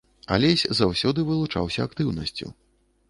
Алесь заўсёды вылучаўся актыўнасцю.